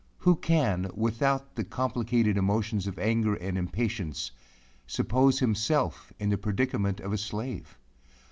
Who can without the complicated emotions of anger and impatience, suppose himself in the predicament of a slave?